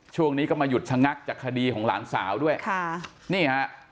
ช่วงนี้ก็มาหยุดชะงักจากคดีของหลานสาวด้วยค่ะนี่ฮะ